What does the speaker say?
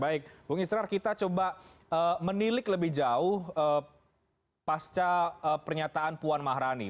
baik bung israr kita coba menilik lebih jauh pasca pernyataan puan maharani